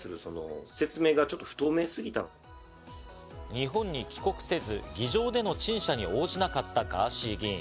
日本に帰国せず、議場での陳謝に応じなかったガーシー議員。